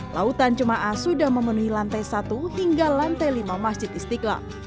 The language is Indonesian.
lautan jemaah sudah memenuhi lantai satu hingga lantai lima masjid istiqlal